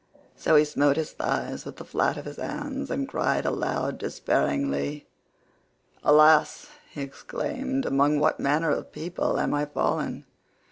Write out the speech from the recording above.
So he smote his thighs with the flat of his hands and cried aloud despairingly. "Alas," he exclaimed, "among what manner of people am I fallen?